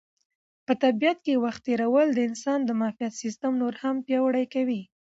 په طبیعت کې وخت تېرول د انسان د معافیت سیسټم نور هم پیاوړی کوي.